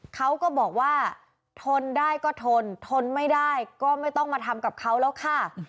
เขาก็บอกว่าทนได้ก็ทนทนไม่ได้ก็ไม่ต้องมาทำกับเขาแล้วค่ะ